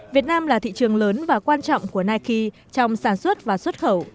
việt nam là thị trường lớn và quan trọng của nike trong sản xuất và xuất khẩu